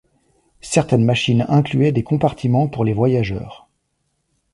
Certaines machines incluaient des compartiments pour les voyageurs.